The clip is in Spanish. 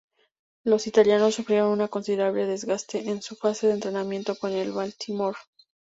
Los italianos sufrieron un considerable desgaste en su fase de entrenamiento con el "Baltimore".